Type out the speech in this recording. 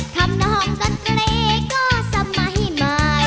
คำน้องก็เตรกก็สมัยใหม่